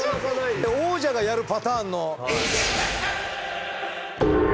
王者がやるパターンの。